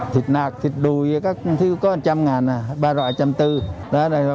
thịt nạc thịt đùi các thứ có một trăm linh ngàn ba loại một trăm bốn mươi